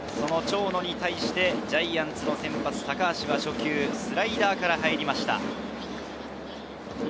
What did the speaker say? ジャイアンツの先発・高橋は初球、スライダーから入りました。